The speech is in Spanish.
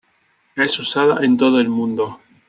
Es usada en todo el mundo.